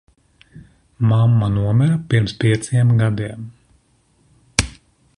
Mamma nomira pirms pieciem gadiem.